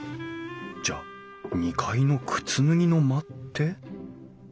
じゃあ２階の靴脱ぎの間って？